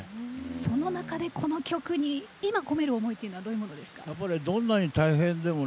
その中でこの曲に今、込める思いというのはどんなものですか？